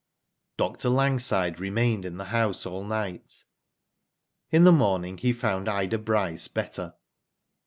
Dr. Langside remained in the house all night. In the morning, he found Ida Bryce better.